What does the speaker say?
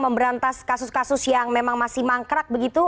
memberantas kasus kasus yang memang masih mangkrak begitu